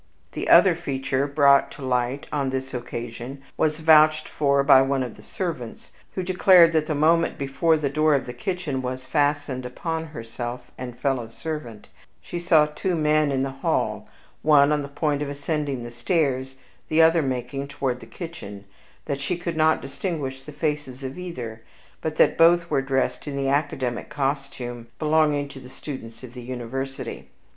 The other feature brought to light on this occasion was vouched for by one of the servants, who declared that, the moment before the door of the kitchen was fastened upon herself and fellow servant, she saw two men in the hall, one on the point of ascending the stairs, the other making toward the kitchen; that she could not distinguish the faces of either, but that both were dressed in the academic costume belonging to the students of the university.